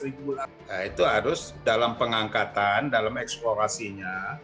nah itu harus dalam pengangkatan dalam eksplorasinya